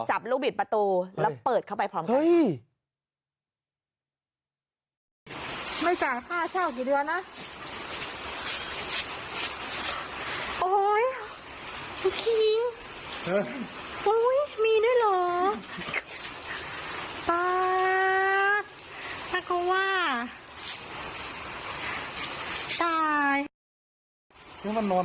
จับลูกบิดประตูแล้วเปิดเข้าไปพร้อมกัน